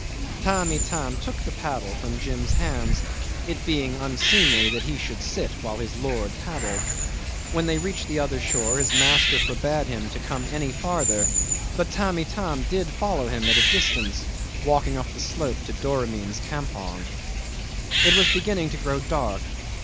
'Tamb' Itam took the paddle from Jim's hands, it being unseemly that he should sit while his lord paddled. When they reached the other shore his master forbade him to come any farther; but Tamb' Itam did follow him at a distance, walking up the slope to Doramin's campong. 'It was beginning to grow dark.